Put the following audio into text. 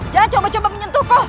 jangan coba coba menyerangku